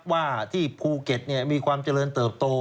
ว่าที่ภูเก็ตมีความเจริญเติบโต